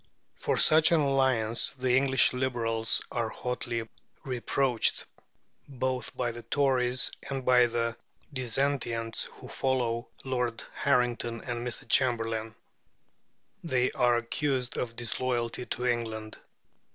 For such an alliance the English Liberals are hotly reproached, both by the Tories and by the dissentients who follow Lord Harrington and Mr. Chamberlain. They are accused of disloyalty to England.